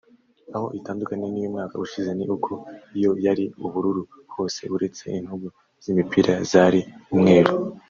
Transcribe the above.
Aho itandukaniye n’iy’umwaka ushize ni uko yo yari ubururu hose uretse intugu z’imipira zari umweru